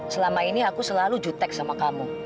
selama ini aku selalu jutek sama kamu